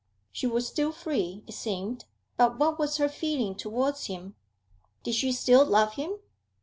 She was still free, it seemed, but what was her feeling towards him? Did she still love him?